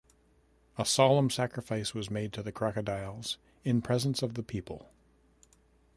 A solemn sacrifice was made to the crocodiles in presence of the people.